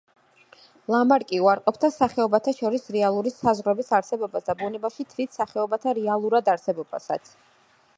ლამარკი უარყოფდა სახეობათა შორის რეალური საზღვრების არსებობას და ბუნებაში თვით სახეობათა რეალურად არსებობასაც.